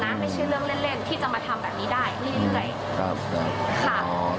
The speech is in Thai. ไม่ใช่เรื่องเล่นเล่นที่จะมาทำแบบนี้ได้เรื่อยค่ะ